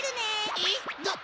えっ？